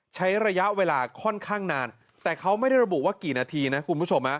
ใช้ระยะเวลาค่อนข้างนานแต่เขาไม่ได้ระบุว่ากี่นาทีนะคุณผู้ชม